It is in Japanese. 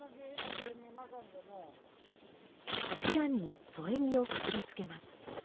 柱に添え木をくくりつけます。